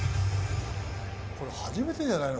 初めてじゃないの？